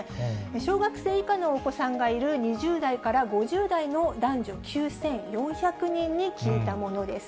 小学生以下のお子さんがいる２０代から５０代の男女９４００人に聞いたものです。